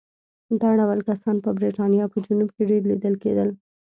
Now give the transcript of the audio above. دا ډول کسان په برېټانیا په جنوب کې ډېر لیدل کېدل.